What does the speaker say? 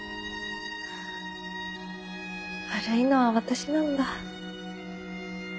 悪いのは私なんだ。